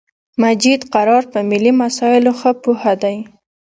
مجید قرار په ملی مسایلو خه پوهه دی